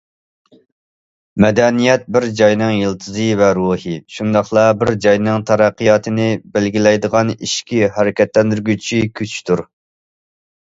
مەدەنىيەت بىر جاينىڭ يىلتىزى ۋە روھى، شۇنداقلا بىر جاينىڭ تەرەققىياتىنى بەلگىلەيدىغان ئىچكى ھەرىكەتلەندۈرگۈچى كۈچتۇر.